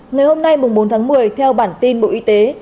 ngày hôm nay bốn tháng một mươi theo bản tin bộ y tế